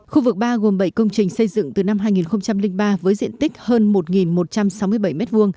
khu vực ba gồm bảy công trình xây dựng từ năm hai nghìn ba với diện tích hơn một một trăm sáu mươi bảy m hai